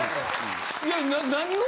いや何を？